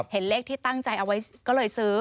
เห็นเลขที่ตั้งใจเอาไว้ก็เลยซื้อ